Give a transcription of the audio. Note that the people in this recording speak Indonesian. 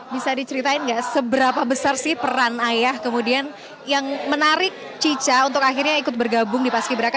bisa diceritain nggak seberapa besar sih peran ayah kemudian yang menarik cica untuk akhirnya ikut bergabung di paski beraka